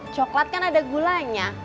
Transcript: coklat kan ada gulanya